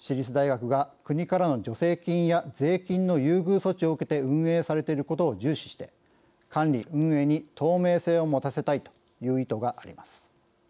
私立大学が国からの助成金や税金の優遇措置を受けて運営されていることを重視して管理・運営に透明性を持たせたいという意図があります。